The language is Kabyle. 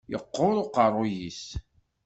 Yeqquṛ uqeṛṛu-yis.